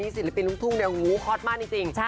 ซิลิปีนลุงทุ่งแนวงูคอสมากจริง